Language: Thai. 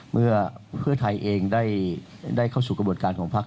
เมื่อเพื่อไทยเองได้เข้าสู่กระบวนการของพัก